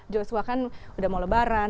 joshua kan udah mau lebaran